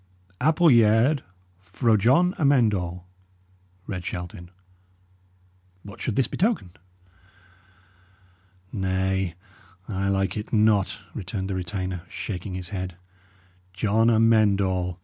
"'Appulyaird fro Jon Amend All,'" read Shelton. "What should this betoken?" "Nay, I like it not," returned the retainer, shaking his head. "John Amend All!